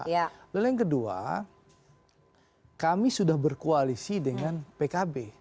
lalu yang kedua kami sudah berkoalisi dengan pkb